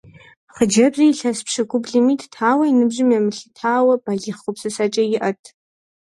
Хъыджэбзыр илъэс пщыкӀублым итт, ауэ, и ныбжьым емылъытауэ, балигъ гупсысэкӀэ иӀэт.